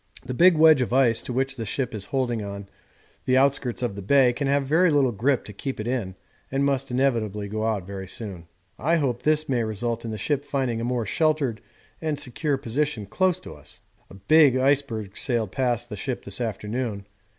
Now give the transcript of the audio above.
The big wedge of ice to which the ship is holding on the outskirts of the Bay can have very little grip to keep it in and must inevitably go out very soon. I hope this may result in the ship finding a more sheltered and secure position close to us. A big iceberg sailed past the ship this afternoon.